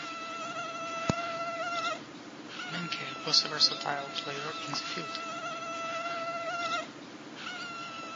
Menke was a versatile player in the field.